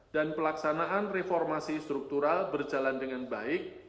dan pelaksanaan reformasi struktural berjalan dengan baik